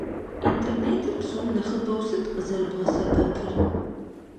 Интернетыр псом нэхъыбэу сыт къызэрыбгъэсэбэпыр?